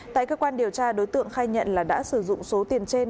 tại cơ quan điều tra đối tượng khai nhận là đã sử dụng số tiền trên